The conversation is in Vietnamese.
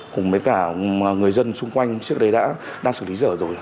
cùng với cả người dân xung quanh trước đây đã đang xử lý dở rồi